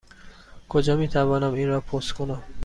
کجا می توانم این را پست کنم؟